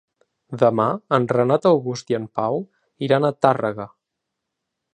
Demà en Renat August i en Pau iran a Tàrrega.